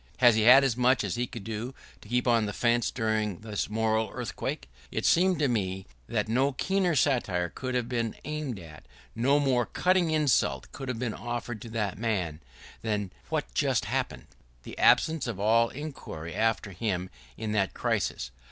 Has he had as much as he could do to keep on the fence during this moral earthquake? It seemed to me that no keener satire could have been aimed at, no more cutting insult have been offered to that man, than just what happened — the absence of all inquiry after him in that crisis.